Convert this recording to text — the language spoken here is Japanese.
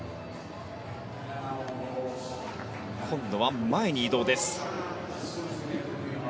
今度は前に移動です。